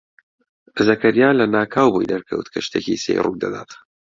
زەکەریا لەناکاو بۆی دەرکەوت کە شتێکی سەیر ڕوو دەدات.